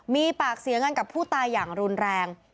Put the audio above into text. มีปากเสียงกันกับผู้ตายอย่างรุนแรง